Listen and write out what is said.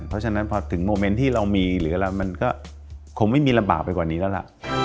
เพราะฉะนั้นพอถึงโมเมนต์ที่เรามีหรืออะไรมันก็คงไม่มีลำบากไปกว่านี้แล้วล่ะ